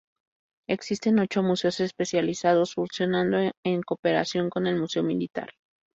Existen ocho museos especializados funcionando en cooperación con el Museo Militar.